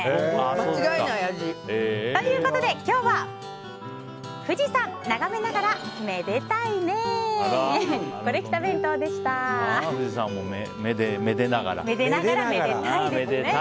間違いない味。ということで、今日は富士山眺めながらめでタイねぇ。